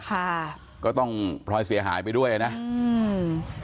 ค่ะก็ต้องพลอยเสียหายไปด้วยอ่ะนะอืม